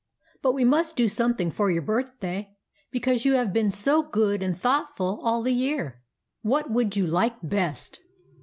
But we must do something for your birthday, because you have been so good and thoughtful all the year. What would you like best